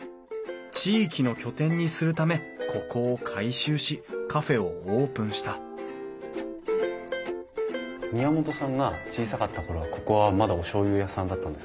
地域の拠点にするためここを改修しカフェをオープンした宮本さんが小さかった頃はここはまだおしょうゆ屋さんだったんですか？